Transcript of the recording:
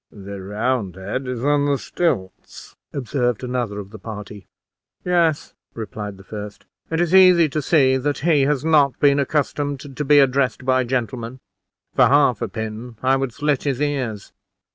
"The Roundhead is on the stilts," observed another of the party. "Yes," replied the first; "it is easy to see that he has not been accustomed to be addressed by gentlemen; for half a pin I would slit his ears!"